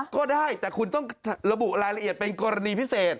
ก็ได้แต่คุณต้องระบุรายละเอียดเป็นกรณีพิเศษ